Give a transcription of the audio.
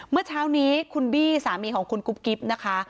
เมื่อเช้านี้คุณบี้สามีของคุณกุ๊บกิ๊บนะคะ